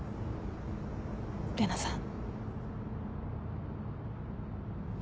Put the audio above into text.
玲奈さん。